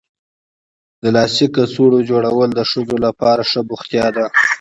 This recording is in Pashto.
د لاسي کڅوړو جوړول د ښځو لپاره ښه بوختیا ده.